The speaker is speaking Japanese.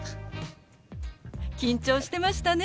緊張してましたね。